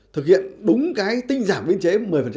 thực hiện đúng cái tinh giảm biên chế một mươi